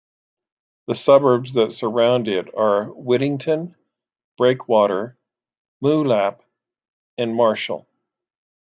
The suburbs that surround it are Whittington, Breakwater, Moolap and Marshall.